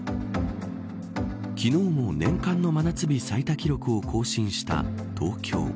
昨日も年間の真夏日最多記録を更新した東京。